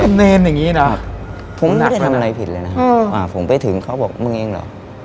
พูดเมนอย่างนี้นะนักมันนะครับผมไม่ได้ทำอะไรผิดเลยนะครับผมไปถึงเขาบอกมึงเองเหรอ